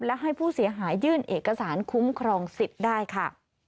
และให้ผู้เสียหายยื่นเอกสารคุ้มครองสิทธิ์ได้ค่ะ